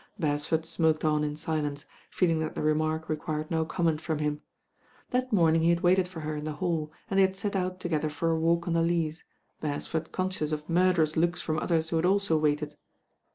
Beresford smoked on in silence, feeling that the remark required no comment from him. That morning he had waited for her in the haU, and they had set out together for a walk on the 1 eas, Beresford conscious of murderous looks from others who had also waited.